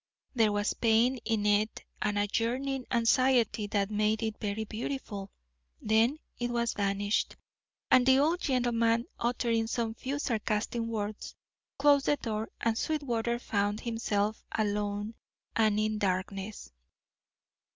There was pain in it and a yearning anxiety that made it very beautiful; then it vanished, and the old gentleman, uttering some few sarcastic words, closed the door, and Sweetwater found himself alone and in darkness.